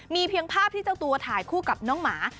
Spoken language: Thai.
มีเพียงภาพที่เจ้าตัวถ่ายคู่กับน้องหมา